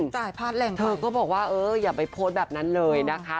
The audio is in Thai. จ่ายพลาดแหล่งเธอก็บอกว่าเอออย่าไปโพสต์แบบนั้นเลยนะคะ